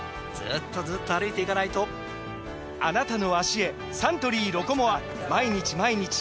あなたの脚へサントリー「ロコモア」